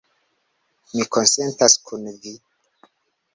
Mi konsentas kun vi